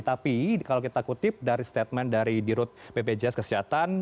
tapi kalau kita kutip dari statement dari dirut bpjs kesehatan